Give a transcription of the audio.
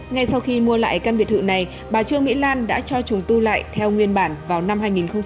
ngay sau khi mua lại căn biệt thự này bà trương mỹ lan đã cho trùng tu lại theo nguyên bản vào năm hai nghìn một mươi